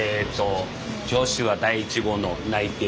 女子は第１号の内定